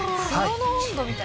風呂の温度みたい。